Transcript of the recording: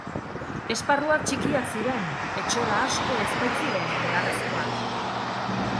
Esparruak txikiak ziren, etxola asko ez baitziren beharrezkoak.